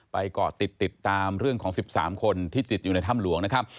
เกาะติดติดตามเรื่องของ๑๓คนที่ติดอยู่ในถ้ำหลวงนะครับ